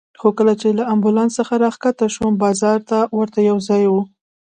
خو کله چې له امبولانس څخه راکښته شوم، بازار ته ورته یو ځای و.